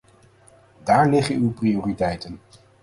Daar liggen uw prioriteiten.